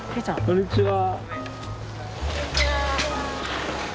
こんにちは。